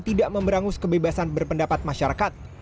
tidak memberangus kebebasan berpendapat masyarakat